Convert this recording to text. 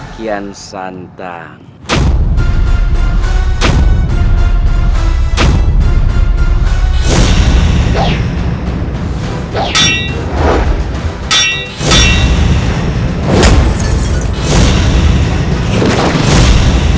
kita bismillah saja raden